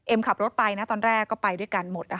ขับรถไปนะตอนแรกก็ไปด้วยกันหมด